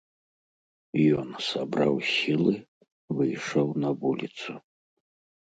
Ён сабраў сілы, выйшаў на вуліцу.